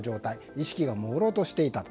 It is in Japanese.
意識がもうろうとしていたと。